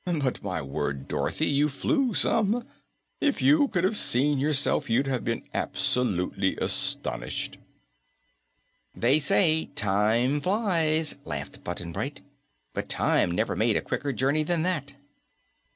But my word, Dorothy, you flew some! If you could have seen yourself, you'd have been absolutely astonished." "They say 'Time flies,'" laughed Button Bright, "but Time never made a quicker journey than that."